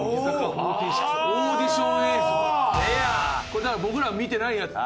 これだから僕らが見てないやつ。